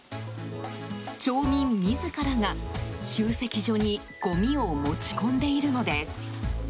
町民自らが集積所にごみを持ち込んでいるのです。